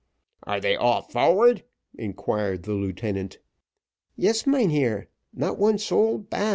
"Are they all forward?" inquired the lieutenant. "Yes, mynheer not one soul baft."